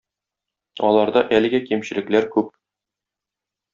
Аларда әлегә кимчелекләр күп.